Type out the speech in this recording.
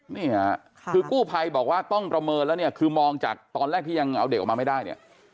นี่ค่ะคือกู้ภัยบอกว่าต้องประเมินแล้วเนี่ยคือมองจากตอนแรกที่ยังเอาเด็กออกมาไม่ได้เนี่ย